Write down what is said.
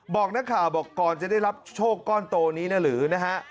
บอกนักข่าวบอกก่อนจะได้รับโชคก้อนโตนี้นะหรือนะฮะ